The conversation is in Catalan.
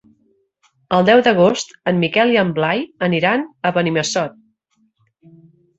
El deu d'agost en Miquel i en Blai aniran a Benimassot.